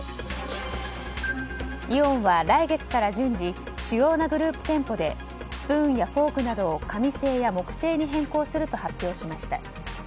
イオンは来月から順次主要なグループ店舗でスプーンやフォークなどや紙製や木製に変更すると発表しました。